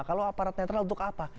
kalau aparat netral untuk apa